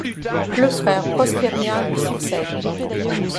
Le frère Prospérien lui succède.